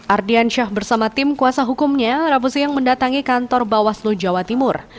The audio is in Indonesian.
ardian syah bersama tim kuasa hukumnya rabu siang mendatangi kantor bawaslu jawa timur